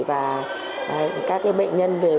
và các bệnh nhân về viêm phổi